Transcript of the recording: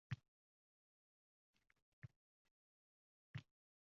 Ular Yevropada muvaffaqiyatga erishishi mumkin edi